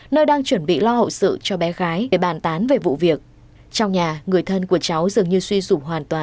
nơi đang chuẩn bị lo hậu sự